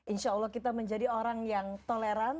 insya allah kita menjadi orang yang toleran